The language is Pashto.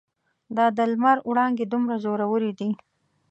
دا د لمر وړانګې دومره زورورې دي.